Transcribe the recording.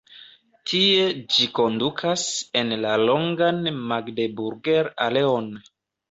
Tie ĝi kondukas en la longan "Magdeburger-aleon".